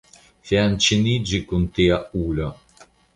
Fianĉiniĝi kun tia ulo!